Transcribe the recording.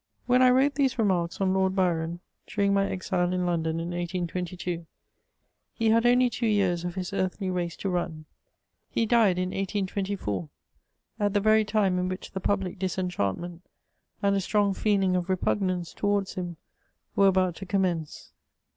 435 When I wrote these remarics on Lord Byron, during my exile in London in 1822, he had only two years of his eaiiMy race to run : he died in 1824, at the very time in which the public disenchantment, and a strong feeling of repugnance towards him, were about to commence.